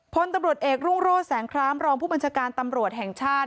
พลตำรวจเอกรุ่งโรธแสงครามรองผู้บัญชาการตำรวจแห่งชาติ